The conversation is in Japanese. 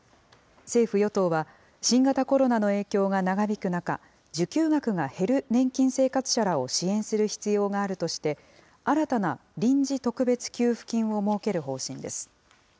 政府・与党は、新型コロナの影響が長引く中、受給額が減る年金生活者らを支援する必要があるとして、新たな臨時特別給付金を設ける方針です。